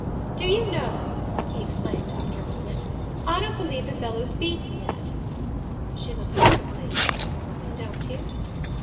"Do you know," he exclaimed after a moment, "I don't believe the fellow's beaten yet." She looked up quickly. "Don't you?"